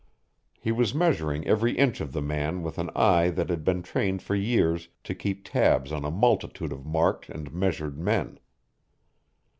He was measuring every inch of the man with an eye that had been trained for years to keep tabs on a multitude of marked and measured men.